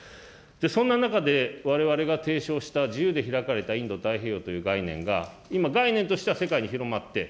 そんな中で、われわれが提唱した、自由で開かれたインド太平洋という概念が、今、概念としては世界に広まって。